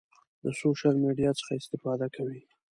د سوشل میډیا څخه استفاده کوئ؟